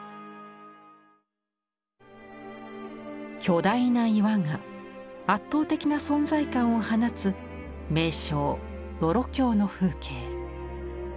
巨大な岩が圧倒的な存在感を放つ名勝「峡」の風景。